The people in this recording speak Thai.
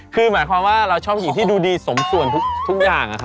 คือหมายความว่าเราชอบผู้หญิงที่ดูดีสมส่วนทุกอย่าง